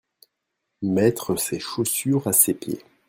Mettre ses chaussures à ses pieds.